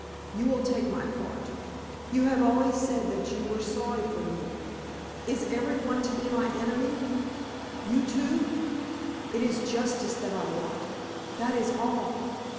You will take my part; you have always said that you were sorry for me. Is every one to be my enemy? You too! It is justice that I want! That is all!"?